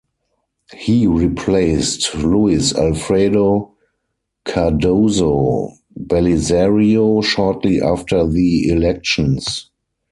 He replaced Luis Alfredo Cardozo Belizario shortly after the elections.